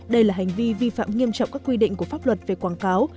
đây là hành vi vi phạm nghiêm trọng các quy định của pháp luật về quảng cáo